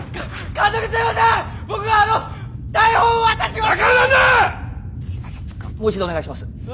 もう一度お願いします。